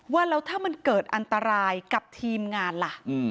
ว่าแล้วถ้ามันเกิดอันตรายกับทีมงานล่ะ